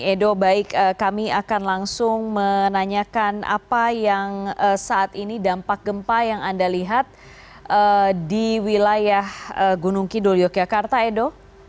edo baik kami akan langsung menanyakan apa yang saat ini dampak gempa yang anda lihat di wilayah gunung kidul yogyakarta edo